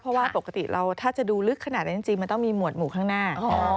เพราะว่าปกติเราถ้าจะดูลึกขนาดนั้นจริงมันต้องมีหวดหมู่ข้างหน้า